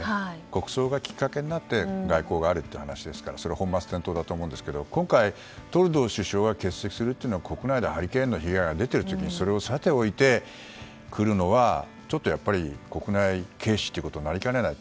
国葬がきっかけになって外交があるって話ですから本末転倒だと思うんですけど今回、トルドー首相が欠席するというのは国内でハリケーンの被害が出ている時にそれをさて置いて来るのは国内軽視ということになりかねない。